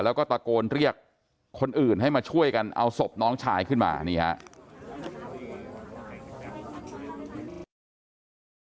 แล้วก็ตะโกนเรียกคนอื่นให้มาช่วยกันเอาศพน้องชายขึ้นมานี่ครับ